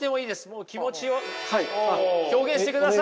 もう気持ちを表現してください。